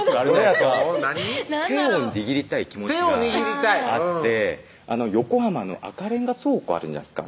手を握りたい気持ちがあって横浜の赤レンガ倉庫あるじゃないですか